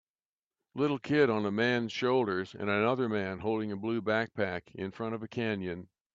Little kid on a man s shoulders and another man holding a blue backpack in front of a canyon